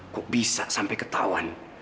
kok bisa sampai ketahuan